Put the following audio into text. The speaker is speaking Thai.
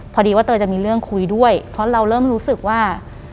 พอดีว่าเตยจะมีเรื่องคุยด้วยเพราะเราเริ่มรู้สึกว่า